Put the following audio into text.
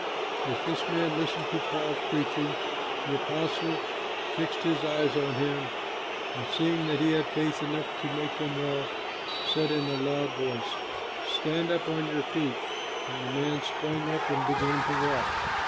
As this man listened to Paul's preaching, the apostle fixed his eyes on him and, seeing that he had faith enough to make him well, said in a loud voice, "Stand up on your feet." And the man sprang up and began to walk.